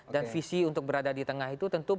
dan visi untuk berada di tengah itu tentu